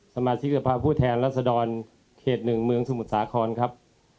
สมาชิกสภาพผู้แทนรัศดรเขต๑เมืองสมุทรสาครครับ